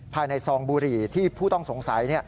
ซองบุหรี่ที่ผู้ต้องสงสัย